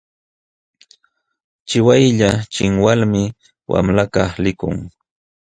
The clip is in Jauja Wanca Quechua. Chiwaylla chinwalmi wamlakaq likun.